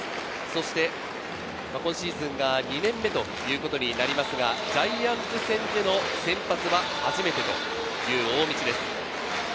そして、今シーズンが２年目ということになりますが、ジャイアンツ戦での先発は初めてという大道です。